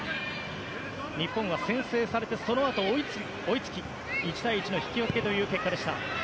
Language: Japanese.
日本は先制されてそのあと追いつき１対１の引き分けという結果でした。